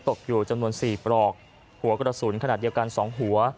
ตกอยู่จำนวน๔ปลอกหัวกระสุนขนาดเดียวกัน๒หัว